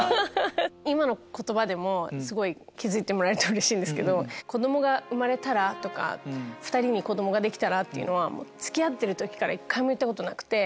今の言葉でも気付いてもらえるとうれしいんですけど「子供が生まれたら」とか「２人に子供ができたら」っていうのは付き合ってる時から一回も言ったことなくて。